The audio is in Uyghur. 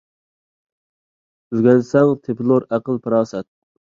ئۆگەنسەڭ تېپىلۇر ئەقىل - پاراسەت .